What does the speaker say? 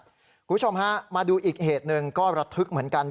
คุณผู้ชมฮะมาดูอีกเหตุหนึ่งก็ระทึกเหมือนกัน